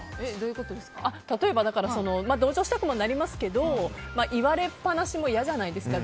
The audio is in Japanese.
例えば同情したくもなりますけど言われっぱなしも嫌じゃないですか。